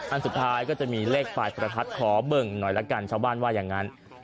อันสุดท้ายก็จะมีเลขปลายประทัดขอเบิ่งหน่อยละกันชาวบ้านว่าอย่างนั้น